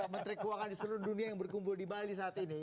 menteri keuangan di seluruh dunia yang berkumpul di bali saat ini